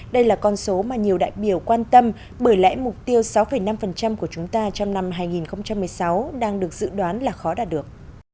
đây là con số mà nhiều đại biểu quan tâm bởi lẽ mục tiêu sáu năm của chúng ta trong năm hai nghìn một mươi sáu đang được dự đoán là khó đạt được